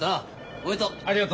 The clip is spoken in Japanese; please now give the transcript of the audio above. おめでとう。